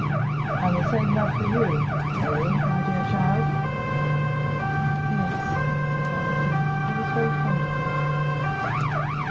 "And the same love for you—eh, my dear child?" "Yes," said Valentine, "he was very fond of me."